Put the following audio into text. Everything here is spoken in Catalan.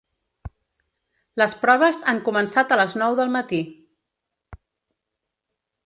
Les proves han començat a les nou del matí.